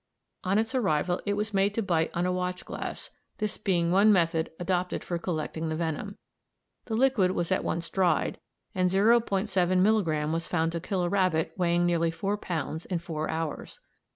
On its arrival it was made to bite on a watch glass, this being one method adopted for collecting the venom; the liquid was at once dried, and 0·7 milligramme was found to kill a rabbit weighing nearly four pounds in four hours.